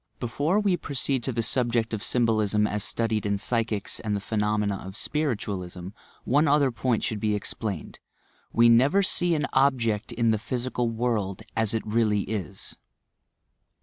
Before we proceed to the subject of ajTnhoHsm as studied in psychics and in the phenomena of spiritualism. one other point should be explained : We never see &a object in the physical world as it really is